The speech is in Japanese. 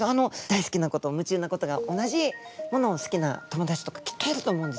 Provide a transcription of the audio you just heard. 大好きなこと夢中なことが同じものを好きな友達とかきっといると思うんですね。